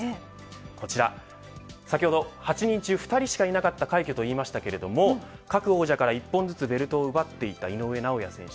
こちら先ほど８人中２人しかいなかった快挙と言いましたけれども各王者から１本ずつベルトを奪っていった井上尚弥選手。